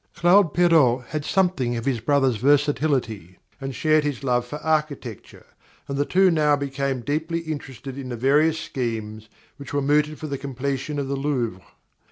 _ _Claude Perrault had something of his brother's versatility and shared his love for architecture, and the two now became deeply interested in the various schemes which were mooted for the completion of the Louvre.